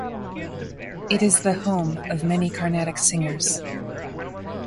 It is the home of many carnatic singers.